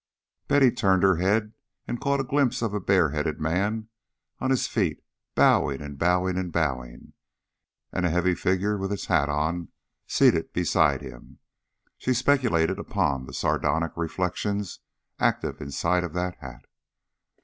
Betty turned her head and caught a glimpse of a bareheaded man on his feet, bowing and bowing and bowing, and of a heavy figure with its hat on seated beside him. She speculated upon the sardonic reflections active inside of that hat.